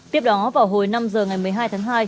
tiếp đó vào hồi năm giờ ngày một mươi hai tháng hai